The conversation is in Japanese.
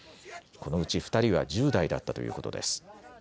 このうち２人は１０代だったということです。